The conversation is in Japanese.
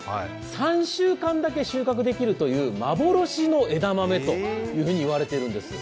３週間だけ収穫できるという幻の枝豆と言われているんです。